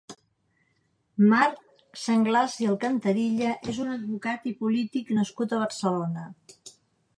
Marc Sanglas i Alcantarilla és un advocat i polític nascut a Barcelona.